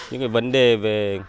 những cái vấn đề về